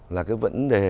là cái vấn đề